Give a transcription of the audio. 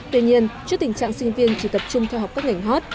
tuy nhiên trước tình trạng sinh viên chỉ tập trung theo học các ngành hot